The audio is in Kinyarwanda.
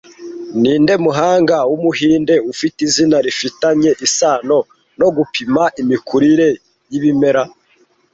Ninde muhanga wumuhinde ufite izina rifitanye isano no gupima imikurire y'ibimera